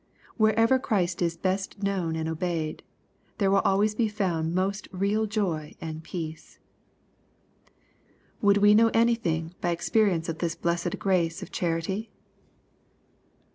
Wherever Christ is best known and obeyed, there will always be found most real joy and peace. Would we know anything by experience of this bless ed grace of charity